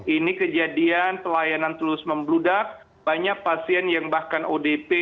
ini kejadian pelayanan terus membludak banyak pasien yang bahkan odp